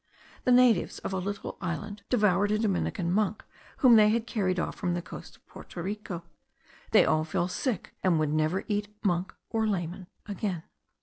The natives of a little island devoured a Dominican monk whom they had carried off from the coast of Porto Rico; they all fell sick, and would never again eat monk or layman.